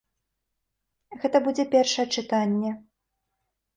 Гэта будзе першае чытанне.